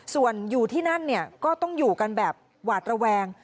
ส่วนอยู่ที่นั่นเนี่ยก็ต้องอยู่กันแบบหวาดระแวง